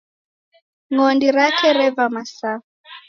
Ng'ondi rake reva masa.